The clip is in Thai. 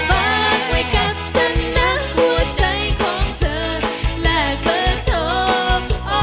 วางไว้กับฉันนะหัวใจของเธอและโปรโทโอโอโอ